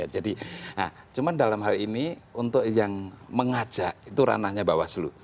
jadi cuma dalam hal ini untuk yang mengajak itu ranahnya bawaslu